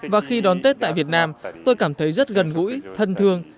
và khi đón tết tại việt nam tôi cảm thấy rất gần gũi thân thương